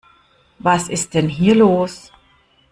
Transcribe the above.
Was ist denn hier los?